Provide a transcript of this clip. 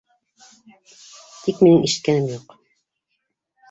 Тик минең ишеткәнем юҡ